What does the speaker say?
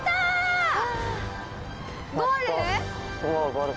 ゴール？